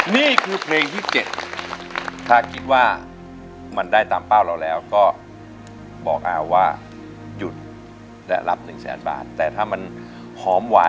นี่คือเพลงที่๗ถ้าคิดว่ามันได้ตามเป้าเราแล้วก็บอกอาวว่าหยุดและรับ๑แสนบาทแต่ถ้ามันหอมหวาน